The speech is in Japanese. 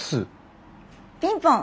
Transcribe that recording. ピンポン！